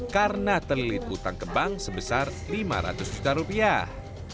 karena terliputang ke bank sebesar lima ratus juta rupiah